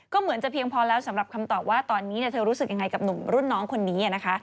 ก็เหมือนจะเพียงพอแล้วสำหรับคำตอบว่าตอนนี้เธอรู้สึกยังไงกับหนุ่มรุ่นน้องคนนี้นะคะ